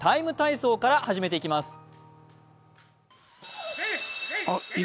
「ＴＩＭＥ，体操」から始めていきます。